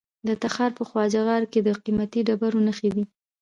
د تخار په خواجه غار کې د قیمتي ډبرو نښې دي.